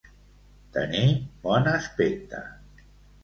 Tenir bon aspecte.